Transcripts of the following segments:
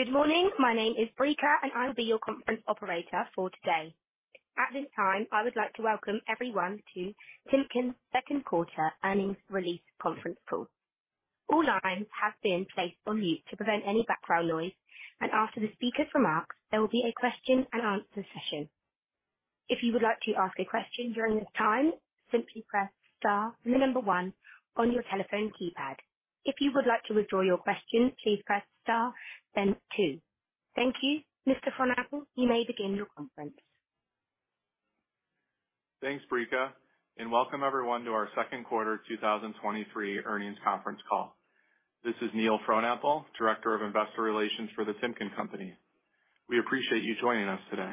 Good morning. My name is Brika. I will be your conference operator for today. At this time, I would like to welcome everyone to Timken's Second Quarter Earnings Release Conference Call. All lines have been placed on mute to prevent any background noise. After the speaker's remarks, there will be a question and answer session. If you would like to ask a question during this time, simply press star and one on your telephone keypad. If you would like to withdraw your question, please press star, then two. Thank you. Mr. Frohnapple, you may begin your conference. Thanks, Brika. Welcome everyone to our second quarter 2023 earnings conference call. This is Neil Frohnapple, Director of Investor Relations for The Timken Company. We appreciate you joining us today.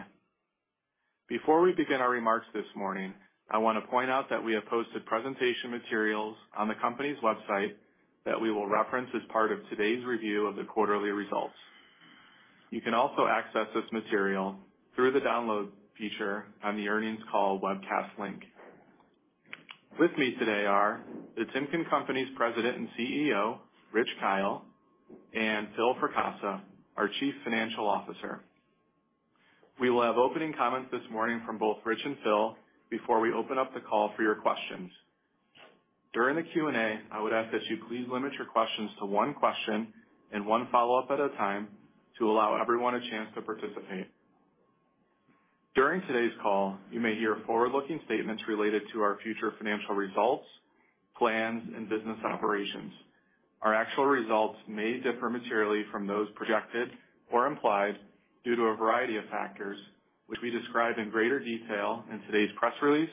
Before we begin our remarks this morning, I want to point out that we have posted presentation materials on the company's website that we will reference as part of today's review of the quarterly results. You can also access this material through the Download feature on the earnings call webcast link. With me today are The Timken Company's President and CEO, Rich Kyle, and Phil Fracassa, our Chief Financial Officer. We will have opening comments this morning from both Rich and Phil before we open up the call for your questions. During the Q&A, I would ask that you please limit your questions to one question and one follow-up at a time to allow everyone a chance to participate. During today's call, you may hear forward-looking statements related to our future financial results, plans, and business operations. Our actual results may differ materially from those projected or implied due to a variety of factors, which we describe in greater detail in today's press release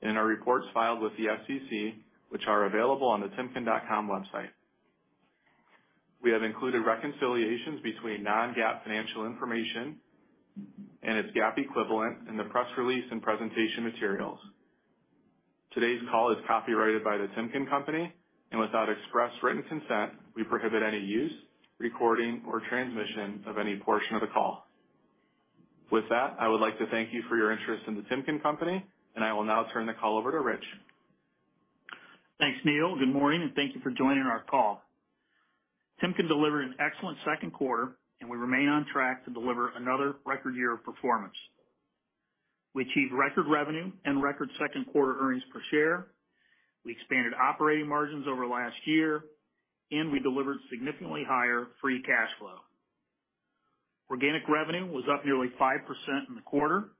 and in our reports filed with the SEC, which are available on the timken.com website. We have included reconciliations between non-GAAP financial information and its GAAP equivalent in the press release and presentation materials. Today's call is copyrighted by The Timken Company, and without express written consent, we prohibit any use, recording, or transmission of any portion of the call. With that, I would like to thank you for your interest in The Timken Company, and I will now turn the call over to Rich. Thanks, Neil. Good morning, and thank you for joining our call. Timken delivered an excellent second quarter, and we remain on track to deliver another record year of performance. We achieved record revenue and record second-quarter earnings per share. We expanded operating margins over last year, and we delivered significantly higher free cash flow. Organic revenue was up nearly 5% in the quarter.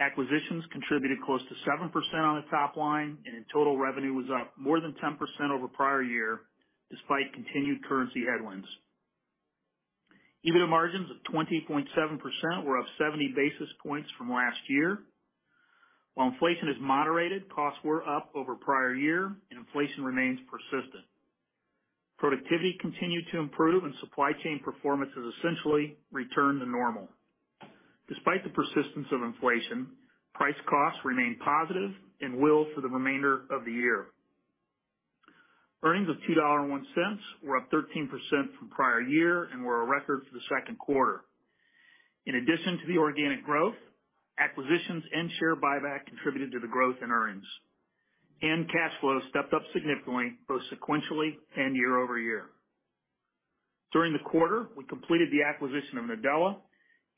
Acquisitions contributed close to 7% on the top line, and in total, revenue was up more than 10% over prior year, despite continued currency headwinds. EBITDA margins of 20.7% were up 70 basis points from last year. While inflation has moderated, costs were up over prior year, and inflation remains persistent. Productivity continued to improve, and supply chain performance has essentially returned to normal. Despite the persistence of inflation, price costs remain positive and will for the remainder of the year. Earnings of $2.01 were up 13% from prior year and were a record for the second quarter. In addition to the organic growth, acquisitions and share buyback contributed to the growth in earnings. Cash flow stepped up significantly, both sequentially and year-over-year. During the quarter, we completed the acquisition of Nadella,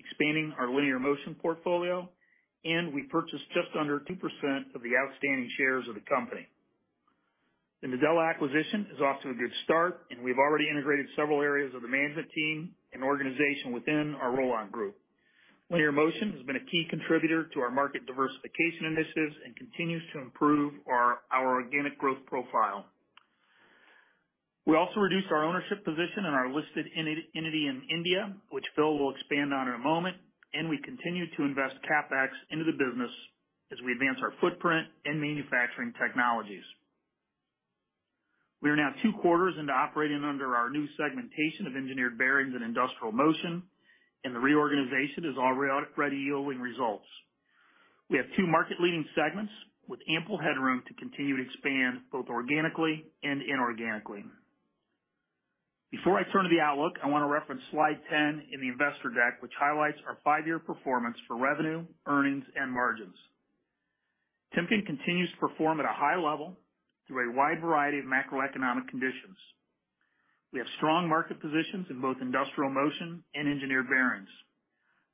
expanding our linear motion portfolio. We purchased just under 2% of the outstanding shares of the company. The Nadella acquisition is off to a good start. We've already integrated several areas of the management team and organization within our Rollon group. Linear motion has been a key contributor to our market diversification initiatives and continues to improve our, our organic growth profile. We also reduced our ownership position in our listed entity, entity in India, which Phil will expand on in a moment, and we continue to invest CapEx into the business as we advance our footprint in manufacturing technologies. We are now two quarters into operating under our new segmentation of Engineered Bearings and Industrial Motion, and the reorganization is already yielding results. We have two market-leading segments with ample headroom to continue to expand, both organically and inorganically. Before I turn to the outlook, I want to reference slide 10 in the investor deck, which highlights our five-year performance for revenue, earnings, and margins. Timken continues to perform at a high level through a wide variety of macroeconomic conditions. We have strong market positions in both Industrial Motion and Engineered Bearings.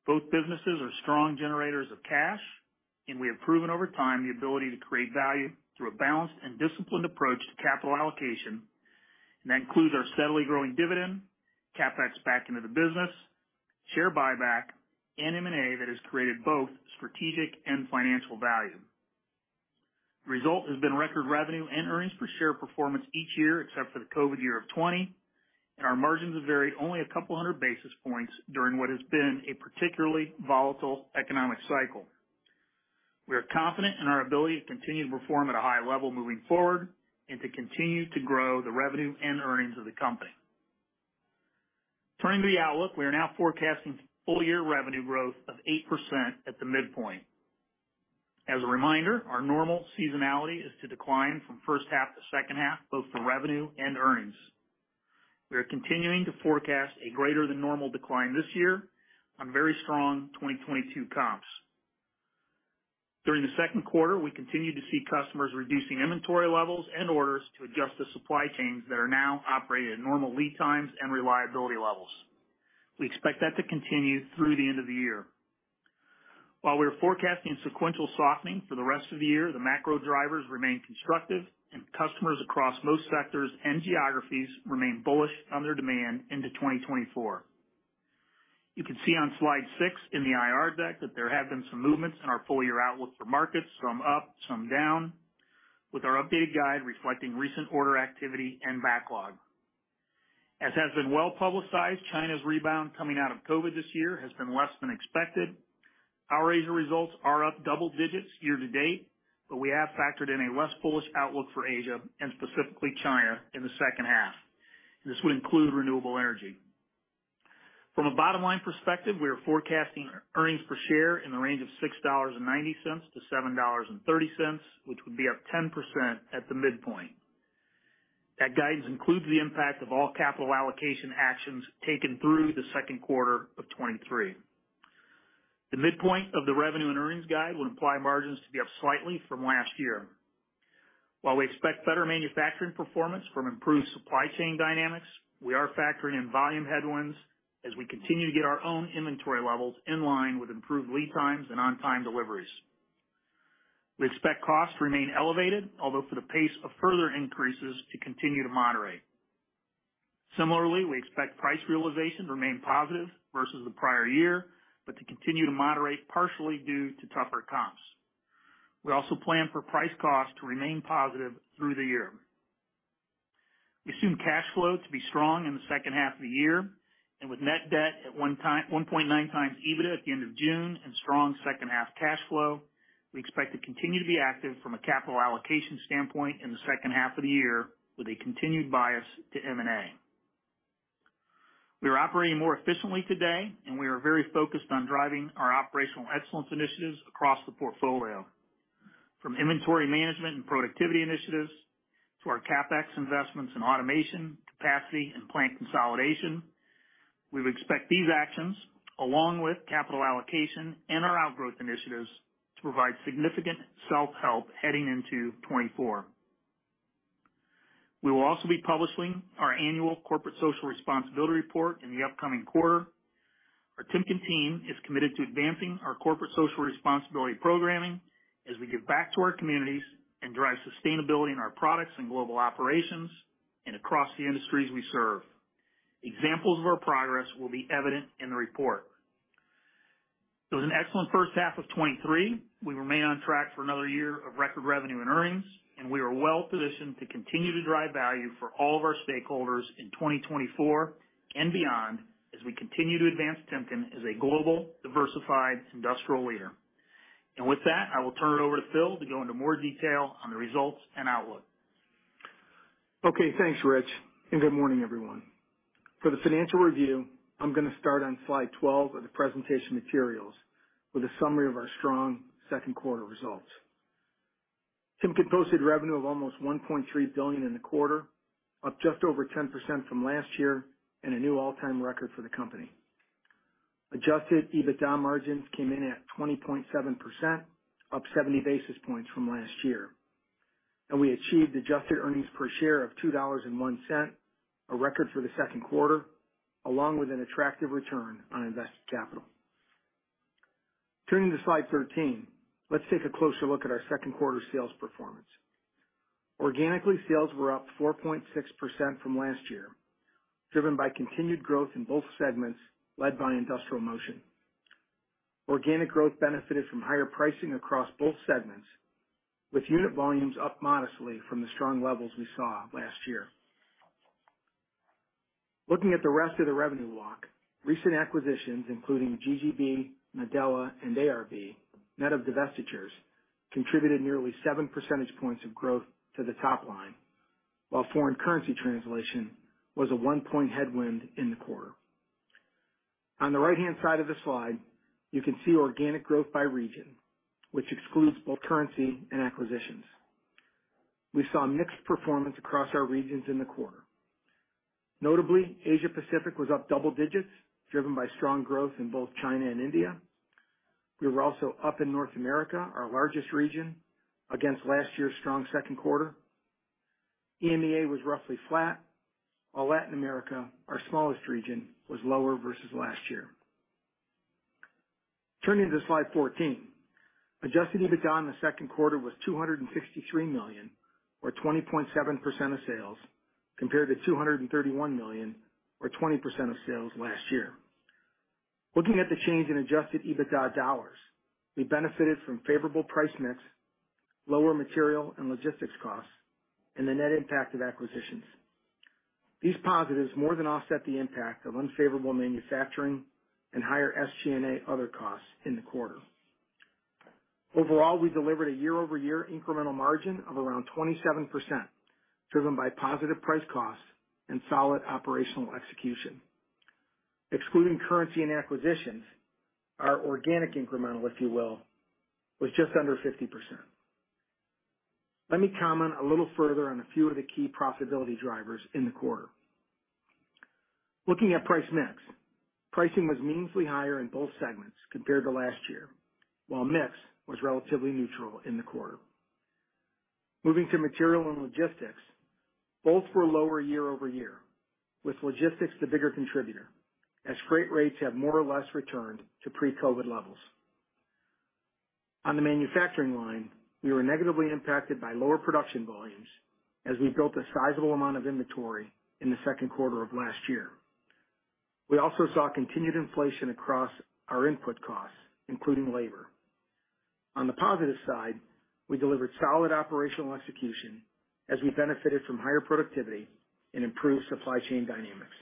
Both businesses are strong generators of cash. We have proven over time the ability to create value through a balanced and disciplined approach to capital allocation. That includes our steadily growing dividend, CapEx back into the business, share buyback, and M&A that has created both strategic and financial value. The result has been record revenue and earnings per share performance each year, except for the COVID year of 2020. Our margins have varied only a couple hundred basis points during what has been a particularly volatile economic cycle. We are confident in our ability to continue to perform at a high level moving forward and to continue to grow the revenue and earnings of the company. Turning to the outlook, we are now forecasting full-year revenue growth of 8% at the midpoint. As a reminder, our normal seasonality is to decline from first half to second half, both for revenue and earnings. We are continuing to forecast a greater than normal decline this year on very strong 2022 comps. During the second quarter, we continued to see customers reducing inventory levels and orders to adjust to supply chains that are now operating at normal lead times and reliability levels. We expect that to continue through the end of the year. While we are forecasting sequential softening for the rest of the year, the macro drivers remain constructive and customers across most sectors and geographies remain bullish on their demand into 2024. You can see on slide six in the IR deck that there have been some movements in our full year outlook for markets, some up, some down, with our updated guide reflecting recent order activity and backlog. As has been well publicized, China's rebound coming out of COVID this year has been less than expected. Our Asia results are up double digits year to date, but we have factored in a less bullish outlook for Asia and specifically China, in the second half. This would include renewable energy. From a bottom-line perspective, we are forecasting earnings per share in the range of $6.90-$7.30, which would be up 10% at the midpoint. That guidance includes the impact of all capital allocation actions taken through the second quarter of 2023. The midpoint of the revenue and earnings guide would imply margins to be up slightly from last year. While we expect better manufacturing performance from improved supply chain dynamics, we are factoring in volume headwinds as we continue to get our own inventory levels in line with improved lead times and on-time deliveries. We expect costs to remain elevated, although for the pace of further increases to continue to moderate. Similarly, we expect price realization to remain positive versus the prior year, but to continue to moderate partially due to tougher comps. We also plan for price cost to remain positive through the year. We assume cash flow to be strong in the second half of the year, and with net debt at 1.9x EBITDA at the end of June and strong second half cash flow, we expect to continue to be active from a capital allocation standpoint in the second half of the year, with a continued bias to M&A. We are operating more efficiently today, and we are very focused on driving our operational excellence initiatives across the portfolio, from inventory management and productivity initiatives to our CapEx investments in automation, capacity, and plant consolidation. We would expect these actions, along with capital allocation and our outgrowth initiatives, to provide significant self-help heading into 2024. We will also be publishing our annual corporate social responsibility report in the upcoming quarter. Our Timken team is committed to advancing our corporate social responsibility programming as we give back to our communities and drive sustainability in our products and global operations, and across the industries we serve. Examples of our progress will be evident in the report. It was an excellent first half of 2023. We remain on track for another year of record revenue and earnings, and we are well positioned to continue to drive value for all of our stakeholders in 2024 and beyond, as we continue to advance Timken as a global, diversified industrial leader. With that, I will turn it over to Phil to go into more detail on the results and outlook. Okay, thanks, Rich. Good morning, everyone. For the financial review, I'm gonna start on slide 12 of the presentation materials with a summary of our strong second quarter results. Timken posted revenue of almost $1.3 billion in the quarter, up just over 10% from last year, a new all-time record for the company. Adjusted EBITDA margins came in at 20.7%, up 70 basis points from last year. We achieved adjusted earnings per share of $2.01, a record for the second quarter, along with an attractive return on invested capital. Turning to slide 13, let's take a closer look at our second quarter sales performance. Organically, sales were up 4.6% from last year, driven by continued growth in both segments, led by Industrial Motion. Organic growth benefited from higher pricing across both segments, with unit volumes up modestly from the strong levels we saw last year. Looking at the rest of the revenue walk, recent acquisitions, including GGB, Nadella, and ARB, net of divestitures, contributed nearly seven percentage points of growth to the top line, while foreign currency translation was a 1-point headwind in the quarter. On the right-hand side of the slide, you can see organic growth by region, which excludes both currency and acquisitions. We saw mixed performance across our regions in the quarter. Notably, Asia Pacific was up double digits, driven by strong growth in both China and India. We were also up in North America, our largest region, against last year's strong second quarter. EMEA was roughly flat, while Latin America, our smallest region, was lower versus last year. Turning to slide 14. Adjusted EBITDA in the second quarter was $263 million, or 20.7% of sales, compared to $231 million, or 20% of sales last year. Looking at the change in adjusted EBITDA dollars, we benefited from favorable price/mix, lower material and logistics costs, and the net impact of acquisitions. These positives more than offset the impact of unfavorable manufacturing and higher SG&A other costs in the quarter. Overall, we delivered a year-over-year incremental margin of around 27%, driven by positive price/cost and solid operational execution. Excluding currency and acquisitions, our organic incremental, if you will, was just under 50%. Let me comment a little further on a few of the key profitability drivers in the quarter. Looking at price/mix, pricing was meaningfully higher in both segments compared to last year, while mix was relatively neutral in the quarter. Moving to material and logistics, both were lower year-over-year, with logistics the bigger contributor, as freight rates have more or less returned to pre-COVID levels. On the manufacturing line, we were negatively impacted by lower production volumes as we built a sizable amount of inventory in the second quarter of last year. We also saw continued inflation across our input costs, including labor. On the positive side, we delivered solid operational execution as we benefited from higher productivity and improved supply chain dynamics.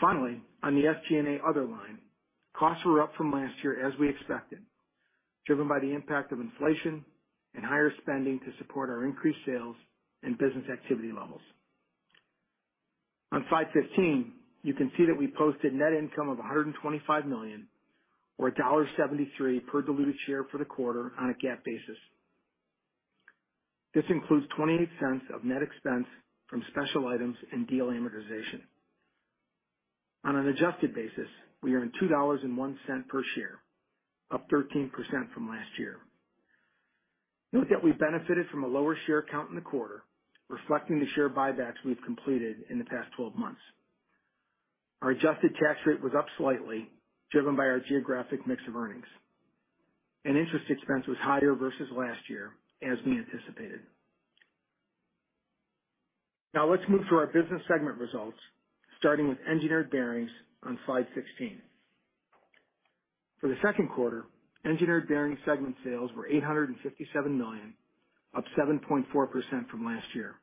Finally, on the SG&A other line, costs were up from last year, as we expected, driven by the impact of inflation and higher spending to support our increased sales and business activity levels. On Slide 15, you can see that we posted net income of $125 million, or $1.73 per diluted share for the quarter on a GAAP basis. This includes $0.28 of net expense from special items and deal amortization. On an adjusted basis, we earned $2.01 per share, up 13% from last year. Note that we benefited from a lower share count in the quarter, reflecting the share buybacks we've completed in the past 12 months. Our adjusted tax rate was up slightly, driven by our geographic mix of earnings. Interest expense was higher versus last year, as we anticipated. Now let's move to our business segment results, starting with Engineered Bearings on Slide 16. For the second quarter, Engineered Bearing segment sales were $857 million, up 7.4% from last year.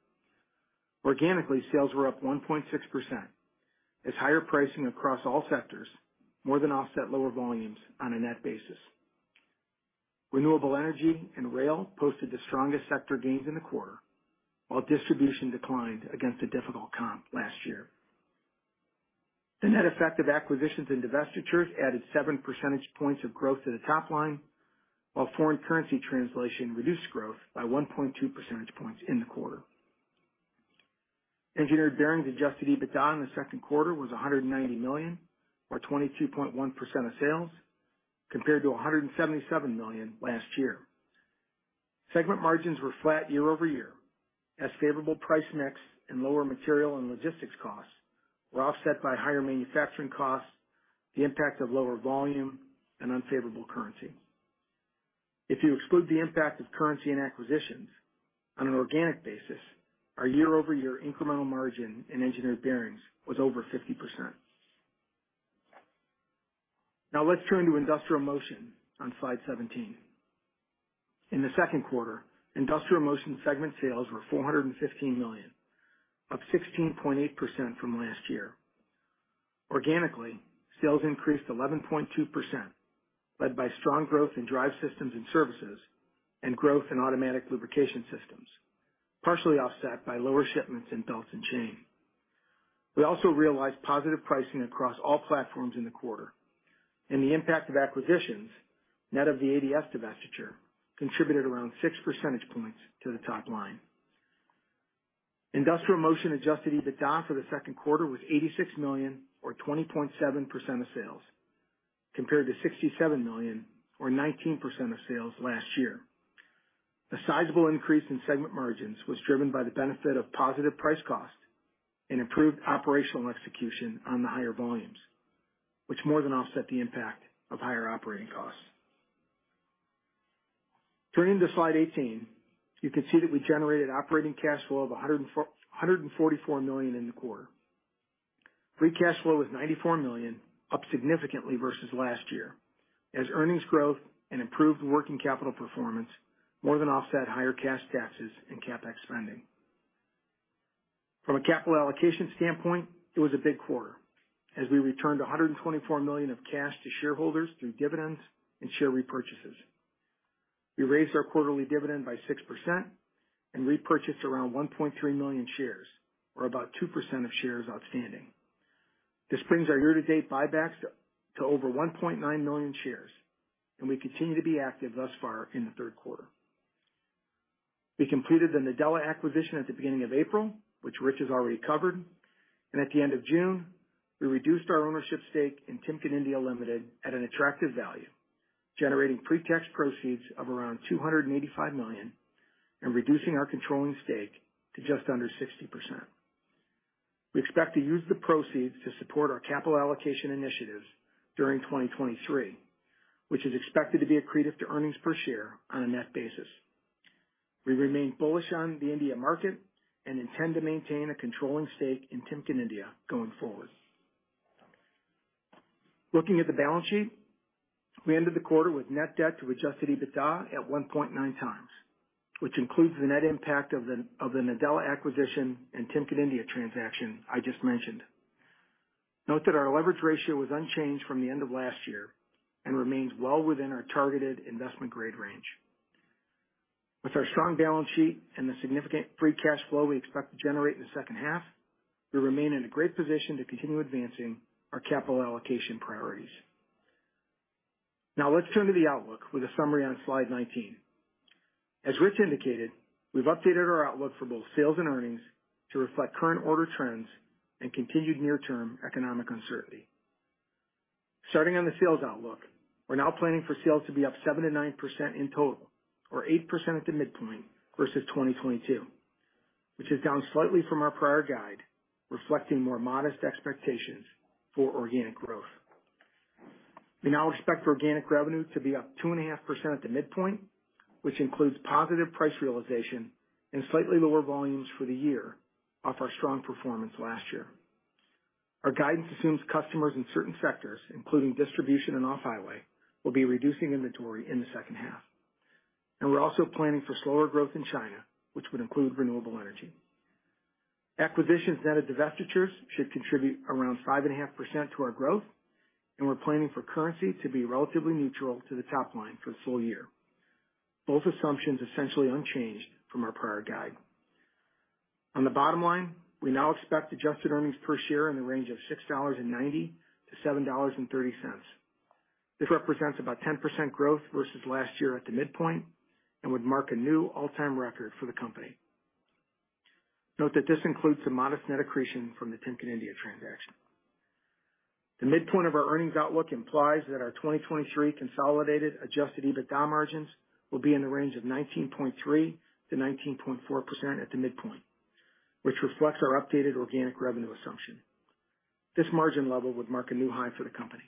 Organically, sales were up 1.6%, as higher pricing across all sectors more than offset lower volumes on a net basis. Renewable energy and rail posted the strongest sector gains in the quarter, while distribution declined against a difficult comp last year. The net effect of acquisitions and divestitures added seven percentage points of growth to the top line, while foreign currency translation reduced growth by 1.2 percentage points in the quarter. Engineered Bearings adjusted EBITDA in the second quarter was $190 million, or 22.1% of sales, compared to $177 million last year. Segment margins were flat year-over-year, as favorable price mix and lower material and logistics costs were offset by higher manufacturing costs, the impact of lower volume and unfavorable currency. If you exclude the impact of currency and acquisitions, on an organic basis, our year-over-year incremental margin in Engineered Bearings was over 50%. Let's turn to Industrial Motion on Slide 17. In the second quarter, Industrial Motion segment sales were $415 million, up 16.8% from last year. Organically, sales increased 11.2%, led by strong growth in drive systems and services and growth in automatic lubrication systems, partially offset by lower shipments in belts and chain. We also realized positive pricing across all platforms in the quarter. The impact of acquisitions, net of the ADS divestiture, contributed around six percentage points to the top line. Industrial Motion adjusted EBITDA for the second quarter was $86 million, or 20.7% of sales, compared to $67 million, or 19% of sales last year. The sizable increase in segment margins was driven by the benefit of positive price/cost and improved operational execution on the higher volumes, which more than offset the impact of higher operating costs. Turning to Slide 18, you can see that we generated operating cash flow of $144 million in the quarter. Free cash flow was $94 million, up significantly versus last year, as earnings growth and improved working capital performance more than offset higher cash taxes and CapEx spending. From a capital allocation standpoint, it was a big quarter, as we returned $124 million of cash to shareholders through dividends and share repurchases. We raised our quarterly dividend by 6% and repurchased around 1.3 million shares, or about 2% of shares outstanding. This brings our year-to-date buybacks to over 1.9 million shares. We continue to be active thus far in the third quarter. We completed the Nadella acquisition at the beginning of April, which Rich has already covered. At the end of June, we reduced our ownership stake in Timken India Limited at an attractive value, generating pre-tax proceeds of around $285 million and reducing our controlling stake to just under 60%. We expect to use the proceeds to support our capital allocation initiatives during 2023, which is expected to be accretive to earnings per share on a net basis. We remain bullish on the India market and intend to maintain a controlling stake in Timken India going forward. Looking at the balance sheet, we ended the quarter with net debt to adjusted EBITDA at 1.9 times, which includes the net impact of the Nadella acquisition and Timken India transaction I just mentioned. Note that our leverage ratio was unchanged from the end of last year and remains well within our targeted investment grade range. With our strong balance sheet and the significant free cash flow we expect to generate in the second half, we remain in a great position to continue advancing our capital allocation priorities. Now let's turn to the outlook with a summary on Slide 19. As Rich indicated, we've updated our outlook for both sales and earnings to reflect current order trends and continued near-term economic uncertainty. Starting on the sales outlook, we're now planning for sales to be up 7%-9% in total, or 8% at the midpoint versus 2022, which is down slightly from our prior guide, reflecting more modest expectations for organic growth. We now expect organic revenue to be up 2.5% at the midpoint, which includes positive price realization and slightly lower volumes for the year off our strong performance last year. Our guidance assumes customers in certain sectors, including distribution and off-highway, will be reducing inventory in the second half. We're also planning for slower growth in China, which would include renewable energy. Acquisitions net of divestitures should contribute around 5.5% to our growth, and we're planning for currency to be relatively neutral to the top line for the full year. Both assumptions essentially unchanged from our prior guide. On the bottom line, we now expect adjusted earnings per share in the range of $6.90-$7.30. This represents about 10% growth versus last year at the midpoint and would mark a new all-time record for the company. Note that this includes a modest net accretion from the Timken India transaction. The midpoint of our earnings outlook implies that our 2023 consolidated adjusted EBITDA margins will be in the range of 19.3%-19.4% at the midpoint, which reflects our updated organic revenue assumption. This margin level would mark a new high for the company.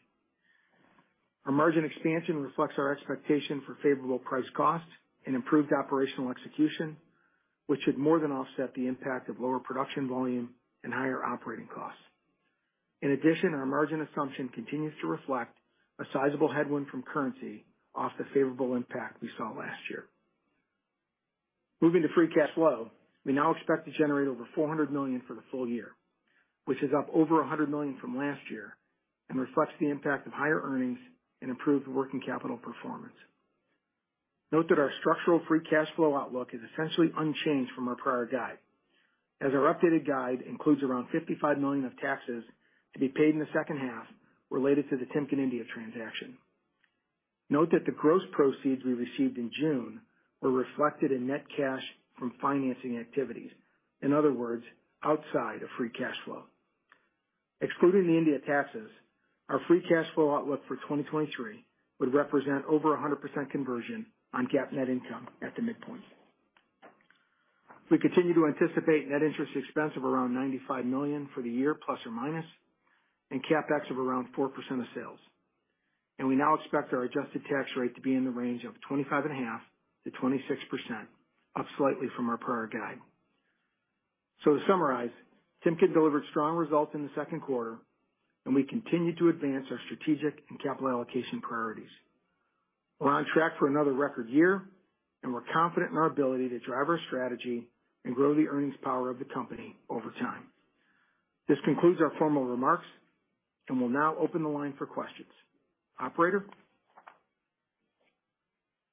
Our margin expansion reflects our expectation for favorable price costs and improved operational execution, which should more than offset the impact of lower production volume and higher operating costs. Our margin assumption continues to reflect a sizable headwind from currency off the favorable impact we saw last year. Moving to free cash flow, we now expect to generate over $400 million for the full year, which is up over $100 million from last year and reflects the impact of higher earnings and improved working capital performance. Note that our structural free cash flow outlook is essentially unchanged from our prior guide, as our updated guide includes around $55 million of taxes to be paid in the second half related to the Timken India transaction. Note that the gross proceeds we received in June were reflected in net cash from financing activities, in other words, outside of free cash flow. Excluding the India taxes, our free cash flow outlook for 2023 would represent over 100% conversion on GAAP net income at the midpoint. We continue to anticipate net interest expense of around $95 million for the year, plus or minus, and CapEx of around 4% of sales. We now expect our adjusted tax rate to be in the range of 25.5%-26%, up slightly from our prior guide. To summarize, Timken delivered strong results in the second quarter, and we continue to advance our strategic and capital allocation priorities. We're on track for another record year, and we're confident in our ability to drive our strategy and grow the earnings power of the company over time. This concludes our formal remarks, and we'll now open the line for questions. Operator?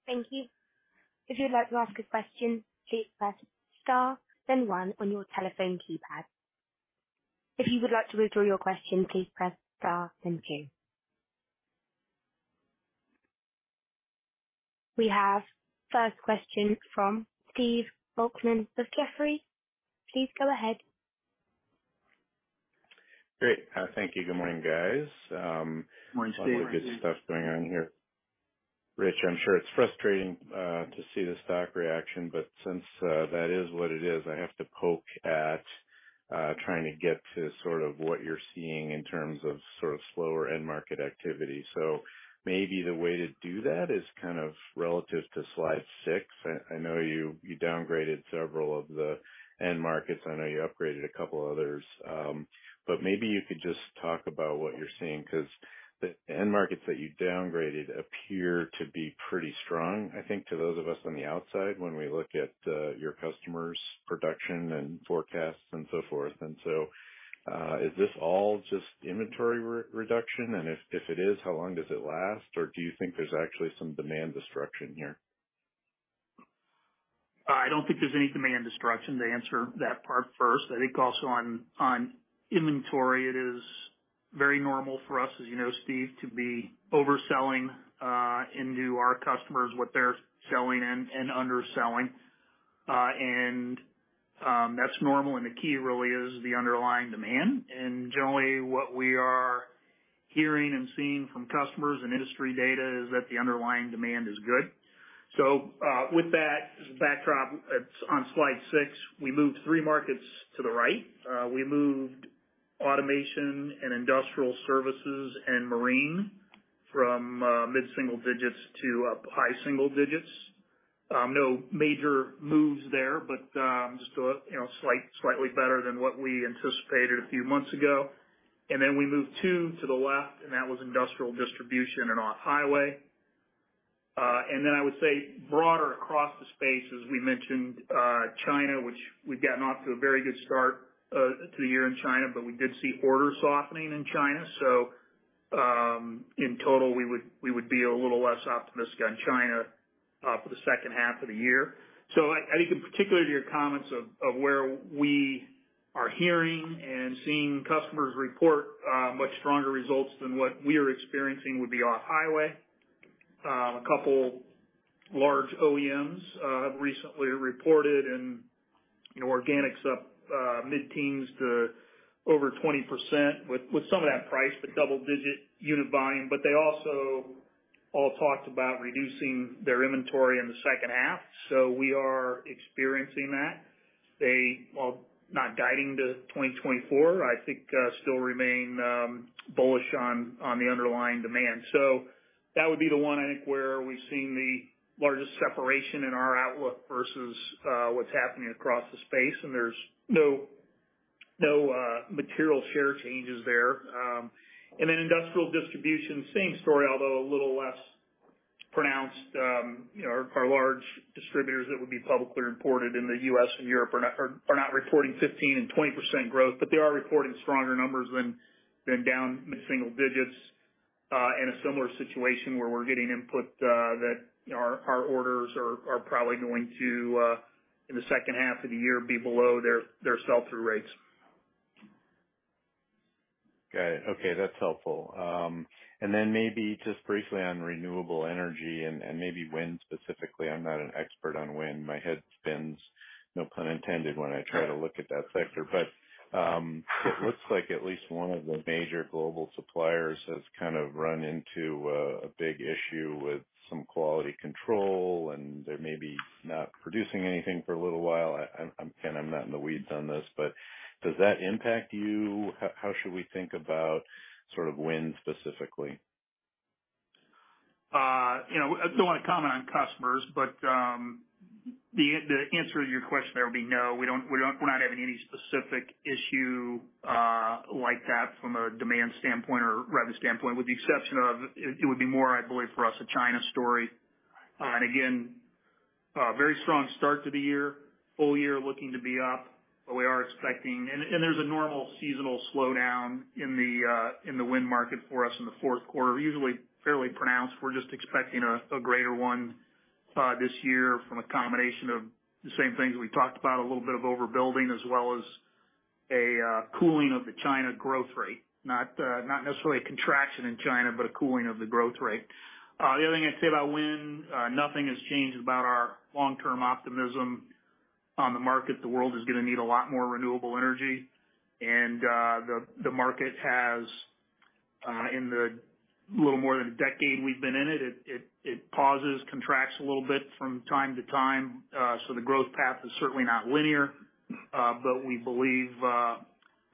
Thank you. If you'd like to ask a question, please press star, then one on your telephone keypad. If you would like to withdraw your question, please press star, then two. We have first question from Stephen Volkmann of Jefferies. Please go ahead. Great. Thank you. Good morning, guys. Morning, Steve. Lot of good stuff going on here. Rich, I'm sure it's frustrating to see the stock reaction, but since that is what it is, I have to poke at trying to get to sort of what you're seeing in terms of sort of slower end market activity. Maybe the way to do that is kind of relative to slide six. I know you downgraded several of the end markets. I know you upgraded a couple others, but maybe you could just talk about what you're seeing, 'cause the end markets that you downgraded appear to be pretty strong, I think, to those of us on the outside, when we look at your customers' production and forecasts and so forth. Is this all just inventory re-reduction? If, if it is, how long does it last, or do you think there's actually some demand destruction here? I don't think there's any demand destruction, to answer that part first. I think also on, on inventory, it is very normal for us, as you know, Steve, to be overselling, into our customers, what they're selling and, and underselling. That's normal, and the key really is the underlying demand. What we are hearing and seeing from customers and industry data is that the underlying demand is good. With that backdrop, it's on slide six, we moved three markets to the right. We moved automation and industrial services and marine from mid-single digits to up high single digits. No major moves there, but, just a, you know, slight-slightly better than what we anticipated a few months ago. We moved two to the left, and that was industrial distribution and off-highway. I would say broader across the space, as we mentioned, China, which we've gotten off to a very good start to the year in China, but we did see orders softening in China. In total, we would, we would be a little less optimistic on China for the second half of the year. I, I think in particular to your comments of, of where we are hearing and seeing customers report much stronger results than what we are experiencing would be off-highway. A couple large OEMs have recently reported and, you know, organics up mid-teens to over 20% with, with some of that price, but double-digit unit volume. They also all talked about reducing their inventory in the second half, so we are experiencing that. They, while not guiding to 2024, I think, still remain bullish on the underlying demand. That would be the one, I think, where we've seen the largest separation in our outlook versus what's happening across the space. There's no material share changes there. Industrial distribution, same story, although a little less pronounced. You know, our large distributors that would be publicly reported in the U.S. and Europe are not reporting 15% and 20% growth, but they are reporting stronger numbers than down mid-single digits. A similar situation where we're getting input that, you know, our orders are probably going to, in the second half of the year, be below their sell-through rates. Got it. Okay, that's helpful. Then maybe just briefly on renewable energy and, and maybe wind specifically. I'm not an expert on wind. My head spins, no pun intended, when I try to look at that sector. It looks like at least one of the major global suppliers has kind of run into a big issue with some quality control, and they're maybe not producing anything for a little while. I'm, again, I'm not in the weeds on this, but does that impact you? How should we think about sort of wind specifically? You know, I don't wanna comment on customers, but the answer to your question there would be no, we don't, we're not having any specific issue, like that from a demand standpoint or revenue standpoint, with the exception of it, it would be more, I believe, for us, a China story. Again, a very strong start to the year, full year looking to be up, but we are expecting. There's a normal seasonal slowdown in the wind market for us in the fourth quarter, usually fairly pronounced. We're just expecting a greater one this year from a combination of the same things we talked about, a little bit of overbuilding, as well as a cooling of the China growth rate. Not necessarily a contraction in China, but a cooling of the growth rate. The other thing I'd say about wind, nothing has changed about our long-term optimism on the market. The world is gonna need a lot more renewable energy, and, the, the market has, in the little more than a decade we've been in it, it, it, it pauses, contracts a little bit from time to time. The growth path is certainly not linear, but we believe,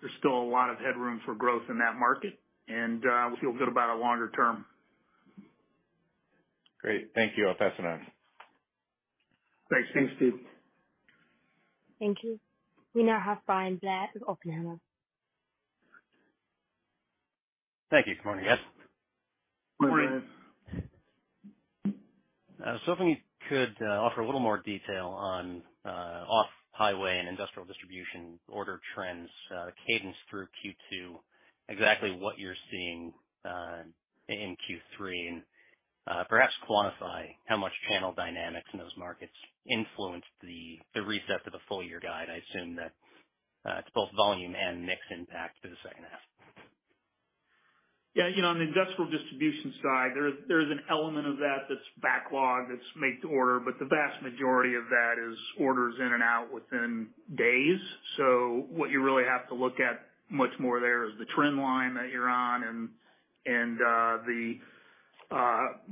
there's still a lot of headroom for growth in that market, and, we feel good about it longer term. Great. Thank you. I'll pass it on. Thanks. Thanks, Steve. Thank you. We now have Bryan Blair with Oppenheimer. Thank you. Good morning, guys. Good morning. If you could offer a little more detail on off-highway and industrial distribution order trends, the cadence through Q2, exactly what you're seeing in Q3, and perhaps quantify how much channel dynamics in those markets influenced the reset to the full-year guide. I assume that it's both volume and mix impact for the second half. Yeah, you know, on the industrial distribution side, there is, there is an element of that that's backlog, that's make-to-order, but the vast majority of that is orders in and out within days. What you really have to look at much more there is the trend line that you're on and, and the,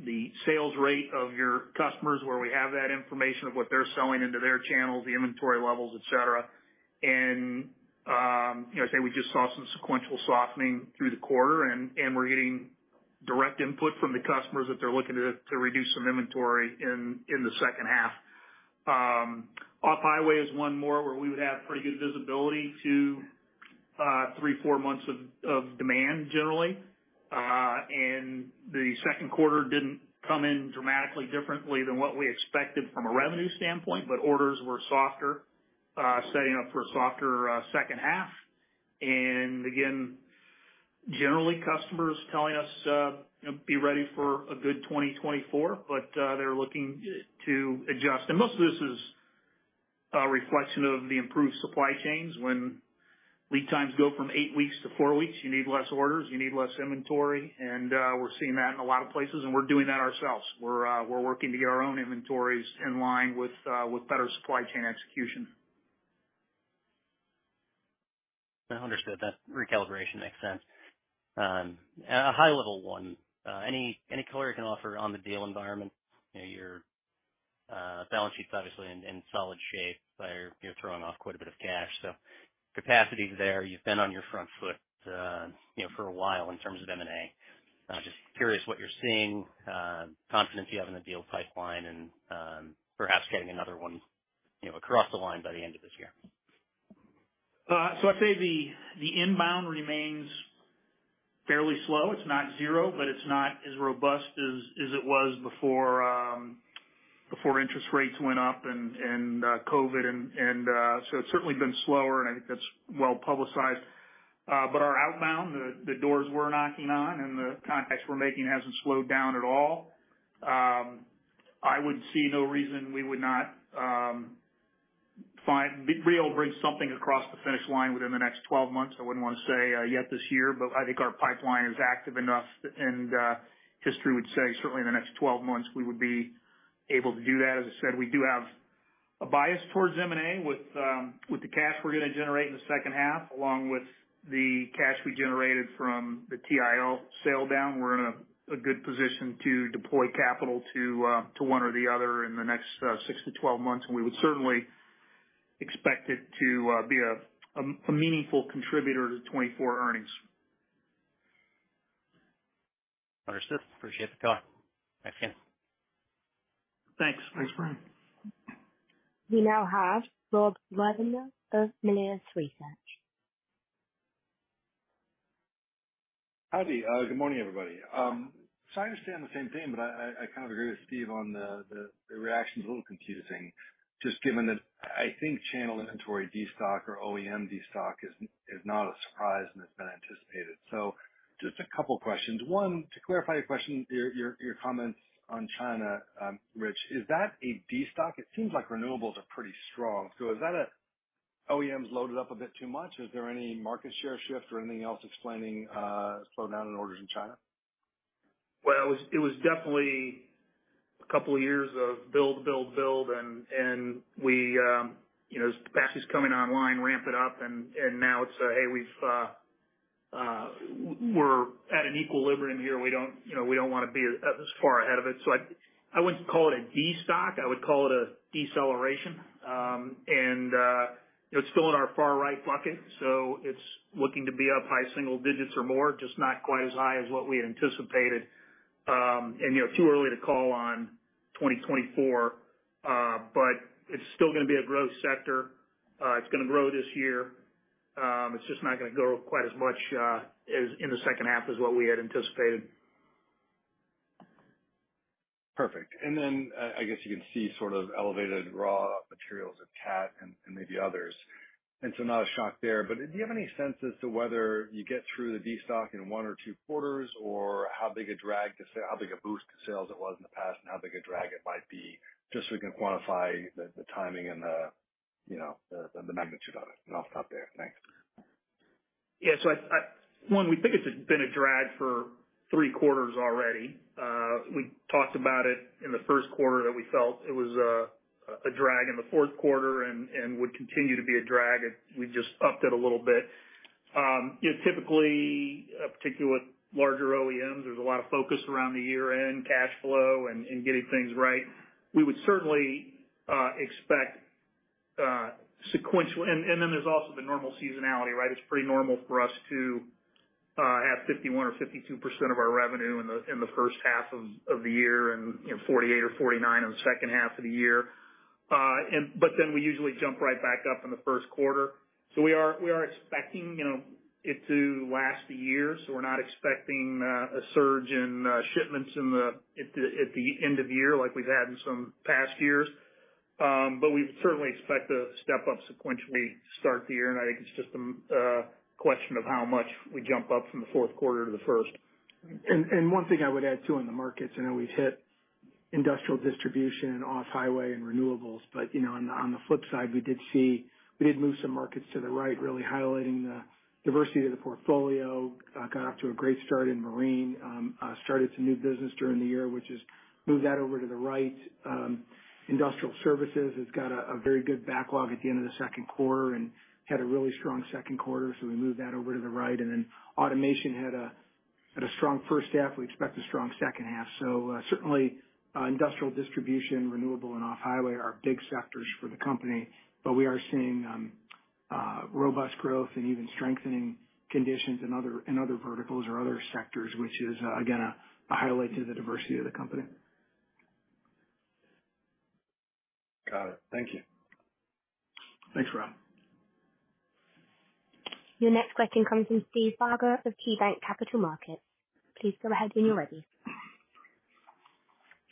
the sales rate of your customers, where we have that information, of what they're selling into their channels, the inventory levels, et cetera. You know, I'd say we just saw some sequential softening through the quarter, and, and we're getting direct input from the customers that they're looking to, to reduce some inventory in, in the second half. Off-highway is one more where we would have pretty good visibility to three, four months of, of demand generally. The second quarter didn't come in dramatically differently than what we expected from a revenue standpoint, but orders were softer, setting up for a softer second half. Again, generally, customers telling us, you know, be ready for a good 2024, but they're looking to adjust. Most of this is a reflection of the improved supply chains. When lead times go from eight weeks to four weeks, you need less orders, you need less inventory, and we're seeing that in a lot of places, and we're doing that ourselves. We're working to get our own inventories in line with better supply chain execution. I understood. That recalibration makes sense. A high level one, any, any color you can offer on the deal environment? You know, your balance sheet's obviously in, in solid shape, you're throwing off quite a bit of cash. Capacity's there, you've been on your front foot, you know, for a while in terms of M&A. Just curious what you're seeing, confidence you have in the deal pipeline and, perhaps getting another one, you know, across the line by the end of this year. I'd say the, the inbound remains fairly slow. It's not zero, but it's not as robust as, as it was before, before interest rates went up and COVID. It's certainly been slower, and I think that's well-publicized. Our outbound, the, the doors we're knocking on and the contacts we're making hasn't slowed down at all. I would see no reason we would not be able to bring something across the finish line within the next 12 months. I wouldn't wanna say yet this year, but I think our pipeline is active enough, and history would say certainly in the next 12 months, we would be able to do that. As I said, we do have a bias towards M&A with, with the cash we're gonna generate in the second half, along with the cash we generated from the TIO sale down. We're in a, a good position to deploy capital to, to one or the other in the next, 6-12 months, and we would certainly expect it to, be a, a meaningful contributor to 2024 earnings. Understood. Appreciate the time. Thanks again. Thanks. Thanks, Brian. We now have Rob Wertheimer of Melius Research. Howdy. good morning, everybody. I understand the same thing, but I, I, I kind of agree with Steve on the, the, the reaction's a little confusing, just given that I think channel inventory destock or OEM destock is, is not a surprise and it's been anticipated. Just couple questions. One, to clarify a question, your, your, your comments on China, Rich, is that a destock? It seems like renewables are pretty strong, so is that a OEMs loaded up a bit too much, or is there any market share shift or anything else explaining, slowdown in orders in China? Well, it was, it was definitely a couple of years of build, build, build, and we, you know, as capacity's coming online, ramp it up and now it's a, hey, we've, we're at an equilibrium here. We don't, you know, we don't wanna be as far ahead of it. I, I wouldn't call it a destock. I would call it a deceleration. It's still in our far right bucket, so it's looking to be up high single digits or more, just not quite as high as what we had anticipated. You know, too early to call on 2024, but it's still gonna be a growth sector. It's gonna grow this year. It's just not gonna grow quite as much, as in the second half as what we had anticipated. Perfect. Then, I guess you can see sort of elevated raw materials at Cat and, and maybe others, and so not a shock there. Do you have any sense as to whether you get through the destock in one or two quarters, or how big a drag to sales how big a boost to sales it was in the past, and how big a drag it might be, just so we can quantify the, the timing and the, you know, the, the magnitude of it? I'll stop there. Thanks. Yeah. I, I... One, we think it's been a drag for three quarters already. We talked about it in the 1st quarter, that we felt it was a drag in the 4th quarter and, and would continue to be a drag. We just upped it a little bit. You know, typically, particularly with larger OEMs, there's a lot of focus around the year-end cash flow and, and getting things right. We would certainly expect sequential. Then there's also the normal seasonality, right? It's pretty normal for us to have 51% or 52% of our revenue in the, in the 1st half of, of the year and, you know, 48 or 49 in the 2nd half of the year. But then we usually jump right back up in the 1st quarter. We are, we are expecting, you know, it to last a year, so we're not expecting, a surge in, shipments at the end of the year like we've had in some past years. But we certainly expect a step up sequentially to start the year, and I think it's just, a question of how much we jump up from the fourth quarter to the first. One thing I would add, too, in the markets, I know we've hit industrial distribution and off-highway and renewables, but, you know, on the, on the flip side, we did see, we did move some markets to the right, really highlighting the diversity of the portfolio. Got off to a great start in Marine, started some new business during the year, which is moved that over to the right. Industrial Services has got a, a very good backlog at the end of the second quarter and had a really strong second quarter, so we moved that over to the right. Automation had a, had a strong first half. We expect a strong second half. Certainly, industrial distribution, renewable and off-highway are big sectors for the company, but we are seeing robust growth and even strengthening conditions in other, in other verticals or other sectors, which is again, a highlight to the diversity of the company. Got it. Thank you. Thanks, Rob. Your next question comes from Steve Barger of KeyBanc Capital Markets. Please go ahead when you're ready.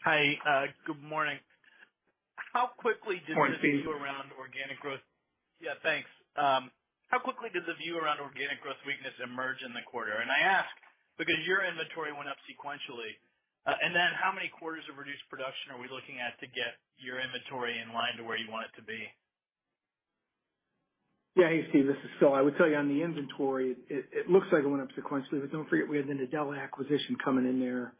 Hi, good morning. Morning, Steve. How quickly does the view around organic growth... Yeah, thanks. How quickly does the view around organic growth weakness emerge in the quarter? I ask because your inventory went up sequentially. How many quarters of reduced production are we looking at to get your inventory in line to where you want it to be? Yeah. Hey, Steve, this is Phil. I would tell you on the inventory, it, it looks like it went up sequentially, but don't forget, we had the Nadella acquisition coming in there.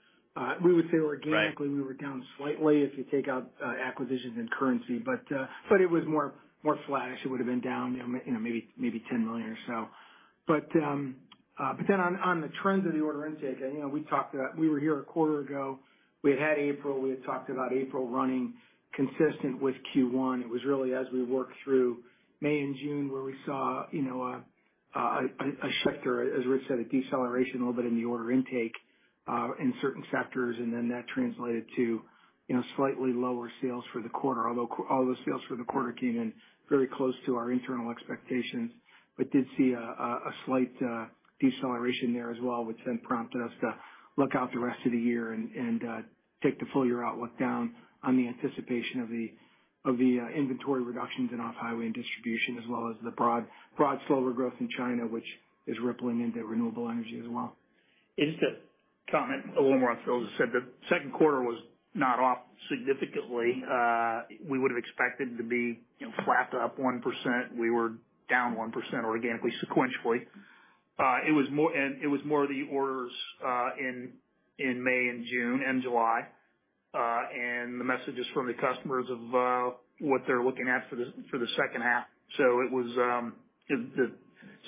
We would say- Right organically, we were down slightly if you take out acquisitions and currency. It was more, more flash. It would've been down, you know, maybe, maybe $10 million or so. Then on, on the trends of the order intake, you know, we talked about, we were here a quarter ago. We had had April. We had talked about April running consistent with Q1. It was really as we worked through May and June, where we saw, you know, a, a, a shelter, as Rich said, a deceleration a little bit in the order intake in certain sectors, and then that translated to, you know, slightly lower sales for the quarter. All those sales for the quarter came in very close to our internal expectations, but did see a slight deceleration there as well, which then prompted us to look out the rest of the year and take the full year outlook down on the anticipation of the inventory reductions in off-highway and distribution, as well as the broad, broad slower growth in China, which is rippling into renewable energy as well.... Just to comment a little more on Phil just said, the second quarter was not off significantly. We would have expected to be, you know, flat to up 1%. We were down 1% organically, sequentially. It was more, and it was more of the orders, in, in May and June and July. The messages from the customers of, what they're looking at for the, for the second half. It was, the, the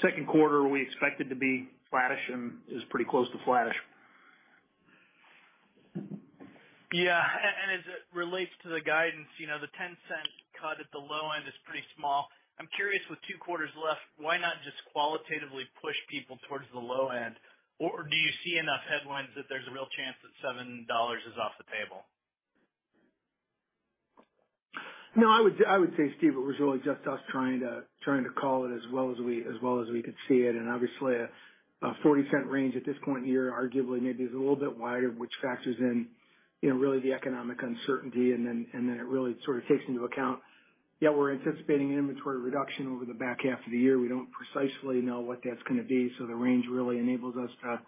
second quarter, we expected to be flattish and is pretty close to flattish. Yeah. As it relates to the guidance, you know, the $0.10 cut at the low end is pretty small. I'm curious, with two quarters left, why not just qualitatively push people towards the low end? Or do you see enough headlines that there's a real chance that $7 is off the table? No, I would I would say, Steve, it was really just us trying to, trying to call it as well as we, as well as we could see it. Obviously, a, a $0.40 range at this point in the year arguably maybe is a little bit wider, which factors in, you know, really the economic uncertainty, and then, and then it really sort of takes into account, yeah, we're anticipating an inventory reduction over the back half of the year. We don't precisely know what that's gonna be, so the range really enables us to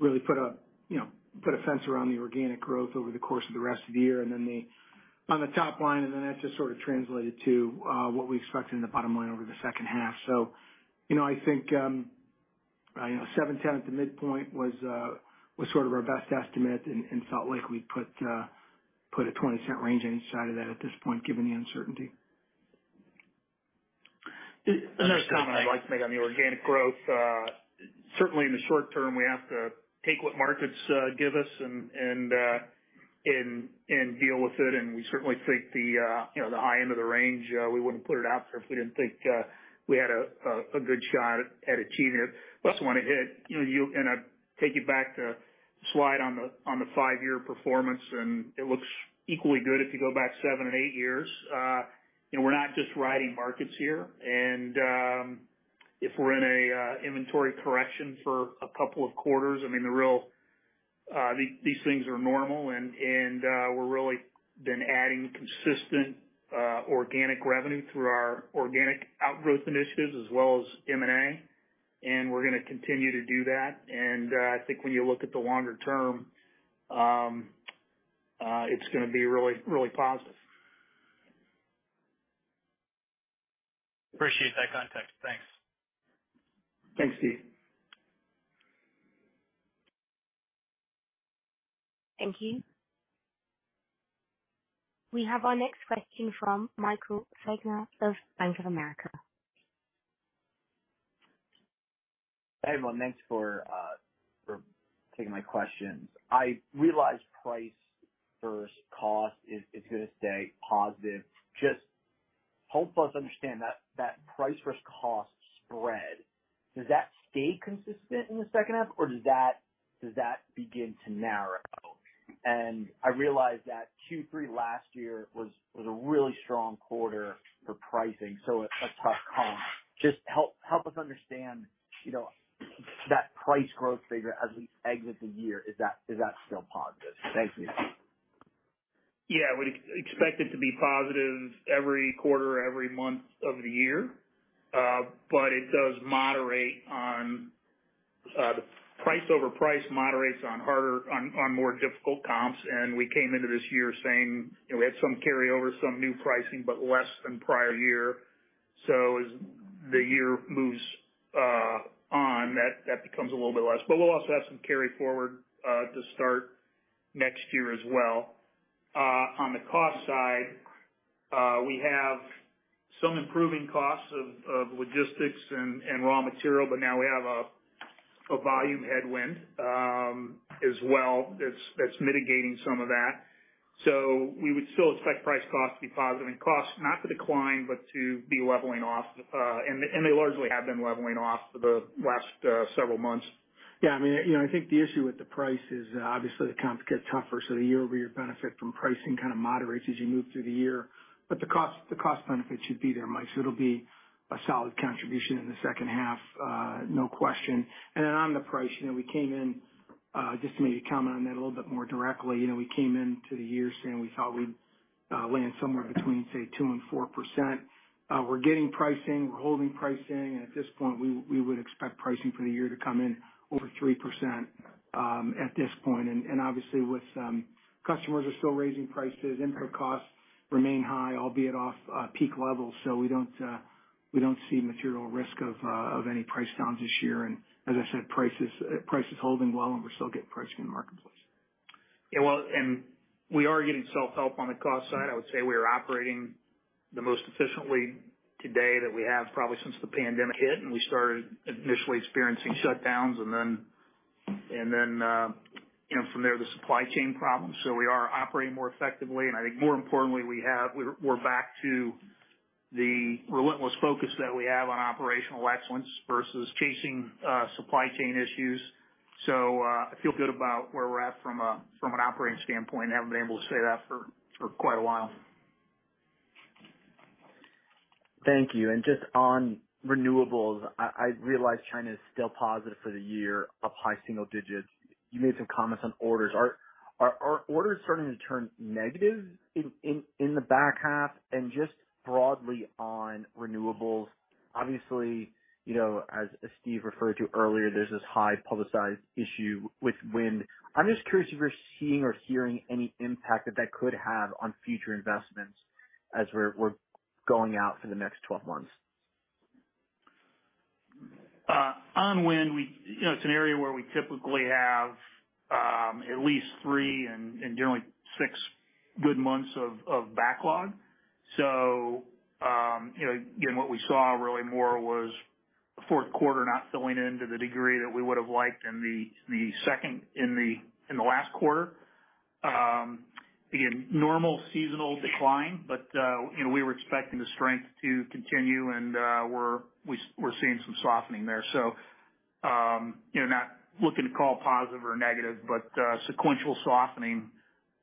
really put a, you know, put a fence around the organic growth over the course of the rest of the year, and then the... On the top line, and then that just sort of translated to what we expected in the bottom line over the second half. You know, I think, you know, $7.10 at the midpoint was sort of our best estimate, and, and felt like we put a $0.20 range on each side of that at this point, given the uncertainty. Another comment I'd like to make on the organic growth. certainly in the short term, we have to take what markets, give us and deal with it. We certainly think the, you know, the high end of the range, we wouldn't put it out there if we didn't think, we had a good shot at achieving it. Plus, wanna hit, you know, I take you back to the slide on the, on the five-year performance, and it looks equally good if you go back seven and eight years. you know, we're not just riding markets here. If we're in an inventory correction for a couple of quarters, I mean, the real, these, these things are normal, and, and, we're really been adding consistent, organic revenue through our organic outgrowth initiatives as well as M&A, and we're gonna continue to do that. I think when you look at the longer term, it's gonna be really, really positive. Appreciate that context. Thanks. Thanks, Steve. Thank you. We have our next question from Michael Feniger of Bank of America. Hey, everyone. Thanks for for taking my questions. I realize price versus cost is, is gonna stay positive. Just help us understand that, that price versus cost spread, does that stay consistent in the second half, or does that, does that begin to narrow? And I realize that Q3 last year was, was a really strong quarter for pricing, so a tough comp. Just help, help us understand, you know, that price growth figure as we exit the year, is that, is that still positive? Thanks. Yeah. We expect it to be positive every quarter, every month of the year. It does moderate on the price over price moderates on harder, more difficult comps. We came into this year saying, you know, we had some carryover, some new pricing, but less than prior year. As the year moves on, that becomes a little bit less. We'll also have some carry forward to start next year as well. On the cost side, we have some improving costs of logistics and raw material, but now we have a volume headwind as well, that's mitigating some of that. We would still expect price cost to be positive and costs not to decline, but to be leveling off. They, and they largely have been leveling off for the last, several months. Yeah, I mean, you know, I think the issue with the price is obviously the comps get tougher, so the year-over-year benefit from pricing kind of moderates as you move through the year. The cost, the cost benefit should be there, Mike, so it'll be a solid contribution in the second half, no question. Then on the price, you know, we came in, just to maybe comment on that a little bit more directly. You know, we came into the year saying we thought we'd land somewhere between, say, 2% and 4%. We're getting pricing, we're holding pricing, and at this point, we, we would expect pricing for the year to come in over 3% at this point. And obviously with customers are still raising prices, input costs remain high, albeit off peak levels. We don't, we don't see material risk of, of any price downs this year. As I said, price is, price is holding well, and we're still getting pricing in the marketplace. Yeah, well, we are getting self-help on the cost side. I would say we are operating the most efficiently today that we have, probably since the pandemic hit and we started initially experiencing shutdowns and then, and then, you know, from there, the supply chain problems. We are operating more effectively, and I think more importantly, we're, we're back to the relentless focus that we have on operational excellence versus chasing supply chain issues. I feel good about where we're at from a, from an operating standpoint, and I haven't been able to say that for, for quite a while. Thank you. Just on renewables, I, I realize China is still positive for the year, up high single digits. You made some comments on orders. Are, are, are orders starting to turn negative in, in, in the back half? Just broadly on renewables. Obviously, you know, as, as Steve referred to earlier, there's this highly publicized issue with wind. I'm just curious if you're seeing or hearing any impact that that could have on future investments as we're, we're going out for the next 12 months? On wind, we, you know, it's an area where we typically have at least three and generally six good months of backlog. You know, again, what we saw really more was the fourth quarter not filling in to the degree that we would have liked in the last quarter. Again, normal seasonal decline, but, you know, we were expecting the strength to continue and we're, we're, we're seeing some softening there. You know, not looking to call positive or negative, but sequential softening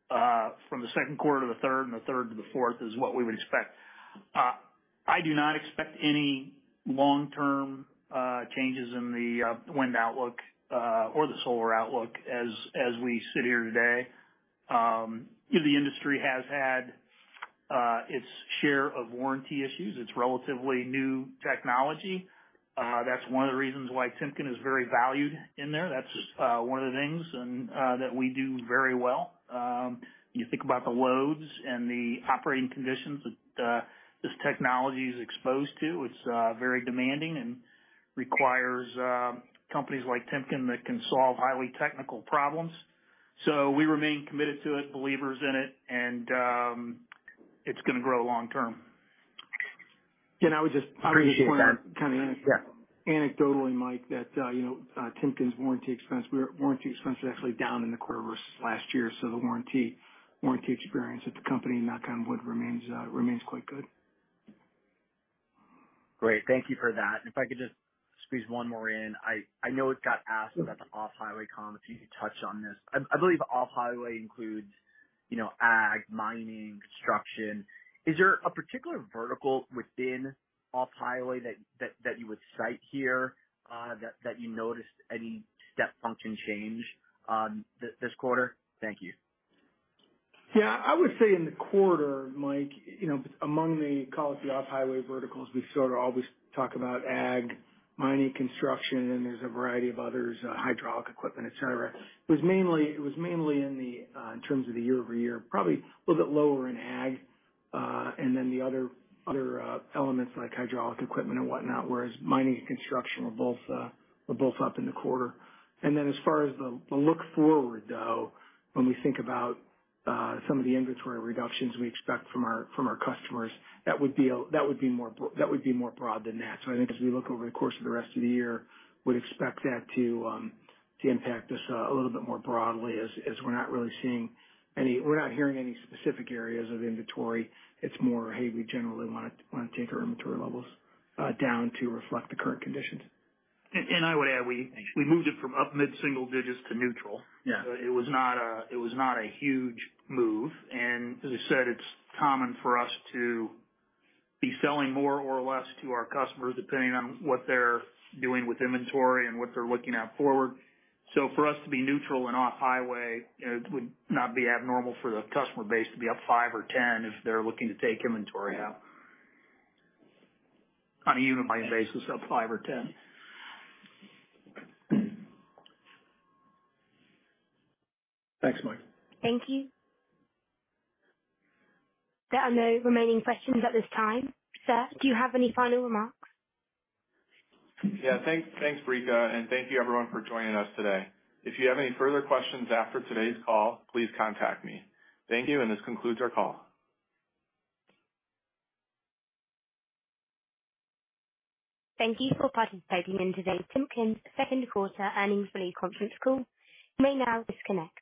from the second quarter to the third and the third to the fourth is what we would expect. I do not expect any long-term changes in the wind outlook or the solar outlook as we sit here today. The industry has had its share of warranty issues. It's relatively new technology. That's one of the reasons why Timken is very valued in there. That's one of the things and that we do very well. You think about the loads and the operating conditions that this technology is exposed to, it's very demanding and requires companies like Timken that can solve highly technical problems. We remain committed to it, believers in it, and it's gonna grow long term. I would just. Appreciate that. Kind of anecdotally, Mike, that, you know, Timken's warranty expense, warranty expense is actually down in the quarter versus last year. The warranty, warranty experience at the company and that kind of wood remains, remains quite good. Great. Thank you for that. If I could just squeeze one more in. I, I know it got asked about the off-highway comm, if you could touch on this. I, I believe off-highway includes, you know, ag, mining, construction. Is there a particular vertical within off-highway that, that, that you would cite here, that, that you noticed any step function change, this quarter? Thank you. Yeah, I would say in the quarter, Mike, you know, among the, call it, the off-highway verticals, we sort of always talk about ag, mining, construction, and there's a variety of others, hydraulic equipment, et cetera. It was mainly, it was mainly in the, in terms of the year-over-year, probably a little bit lower in ag, and then the other, other, elements like hydraulic equipment and whatnot, whereas mining and construction were both, were both up in the quarter. And then as far as the, the look forward, though, when we think about, some of the inventory reductions we expect from our, from our customers, that would be more broad than that. I think as we look over the course of the rest of the year, would expect that to impact us a little bit more broadly, as, as we're not really seeing any, we're not hearing any specific areas of inventory. It's more, "Hey, we generally wanna, wanna take our inventory levels down to reflect the current conditions. I would add, we moved it from up mid-single digits to neutral. Yeah. It was not a, it was not a huge move, and as I said, it's common for us to be selling more or less to our customers, depending on what they're doing with inventory and what they're looking at forward. For us to be neutral and off-highway, it would not be abnormal for the customer base to be up five or 10 if they're looking to take inventory out. Yeah. On a unit basis, up five or 10. Thanks, Mike. Thank you. There are no remaining questions at this time. Sir, do you have any final remarks? Yeah. Thanks, thanks, Brika, thank you everyone for joining us today. If you have any further questions after today's call, please contact me. Thank you. This concludes our call. Thank you for participating in today's Timken's second quarter earnings release conference call. You may now disconnect.